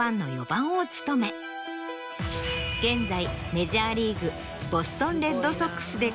現在。